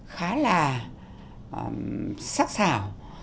khá là sắc xảo